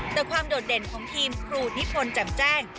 แต่ความโดดเด่นของทีมครูนิพนธ์แจ่มแจ้ง